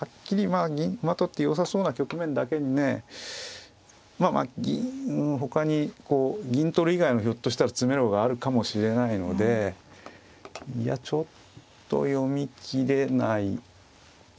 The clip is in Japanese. まあ銀馬取ってよさそうな局面だけにねまあまあ銀ほかにこう銀取る以外もひょっとしたら詰めろがあるかもしれないのでいやちょっと読み切れないですけど。